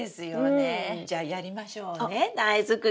じゃあやりましょうね苗作り。